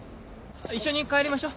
一緒に帰りましょ。